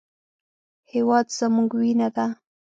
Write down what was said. هېواد زموږ وینه ده